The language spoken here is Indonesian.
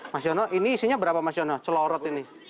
mas yono ini isinya berapa mas yono celorot ini